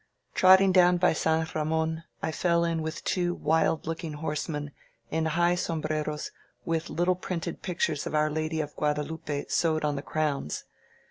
Trotting down by San Ramon, I fell in with two wild looking horsemen, in high sombreros, with little printed pictures of Our Lady of Guadelupe sewed on the crowns.